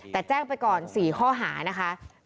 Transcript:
แต่แจ้งไปก่อน๔ข้อหานะคะ